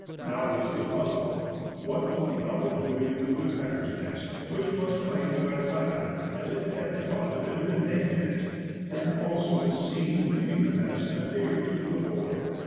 Now was the puzzle, what was the owl doing in the woodpecker's nest, which was claimed by the latter, as it had deposited an egg in it, and also was seen leaving the nest a day or two before.